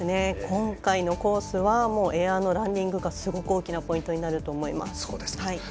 今回のコースはエアのランディングがすごく大きなポイントになると思います。